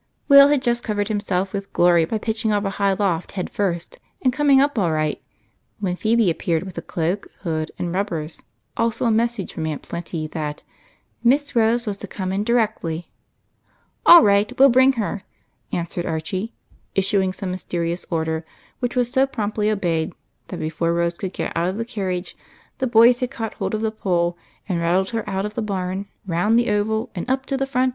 Will had just covered himself with glory by pitch ing off of a high loft head first and coming up all right, when Phebe appeared with a cloak, hood, and rubbers, also a message fi om Aunt Plenty that " Miss Rose was to come in directly." " All right ; Ave '11 bring her !" answered Archie, issuing some mysterious order, which was so promptly obeyed that, before Rose could get out of the carriage, the boys had caught hold of the pole and rattled her out of the barn, round the oval and up to the front 18 EIGHT COUSINS.